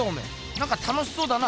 なんか楽しそうだな。